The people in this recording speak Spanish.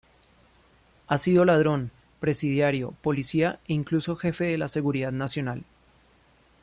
Ha sido ladrón, presidiario, policía e incluso jefe de la Seguridad Nacional.